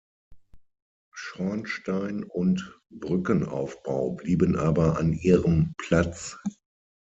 Schornstein und Brückenaufbau blieben aber an ihrem Platz.